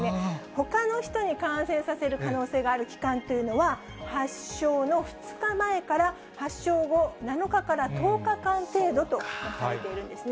ほかの人に感染させる可能性がある期間というのは、発症の２日前から発症後７日から１０日間程度とされているんですね。